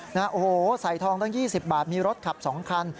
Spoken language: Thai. โอ้โหใส่ทองตั้ง๒๐บาทมีรถขับ๒คัน